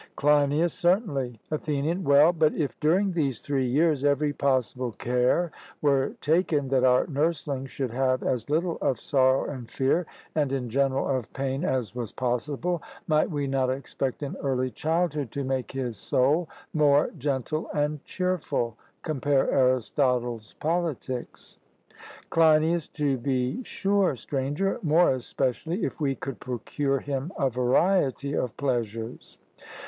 CLEINIAS: Certainly. ATHENIAN: Well, but if during these three years every possible care were taken that our nursling should have as little of sorrow and fear, and in general of pain as was possible, might we not expect in early childhood to make his soul more gentle and cheerful? (Compare Arist. Pol.) CLEINIAS: To be sure, Stranger more especially if we could procure him a variety of pleasures.